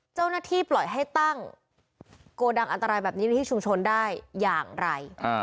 เจ้าหน้าที่ปล่อยให้ตั้งโกดังอันตรายแบบนี้ในที่ชุมชนได้อย่างไร